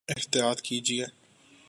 احطیاط کیجئے